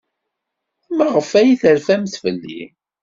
Maɣef ay terfamt fell-i?